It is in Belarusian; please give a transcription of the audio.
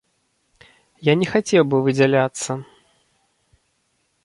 Я не хацеў бы выдзяляцца.